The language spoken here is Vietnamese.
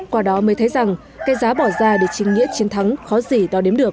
qua đó mới thấy rằng cái giá bỏ ra để chính nghĩa chiến thắng khó gì đo đếm được